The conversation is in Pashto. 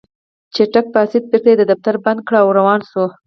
چټک پاڅېد بېرته يې دفتر بند کړ او روان شو.